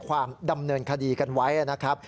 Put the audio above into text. ความดำเนินคดีกันไว้นะครับ